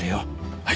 はい。